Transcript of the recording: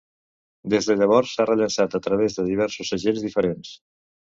Des de llavors, s'ha rellançat a través de diversos segells diferents.